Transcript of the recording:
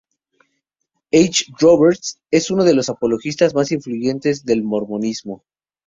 H. Roberts es uno de los apologistas más influyentes del mormonismo.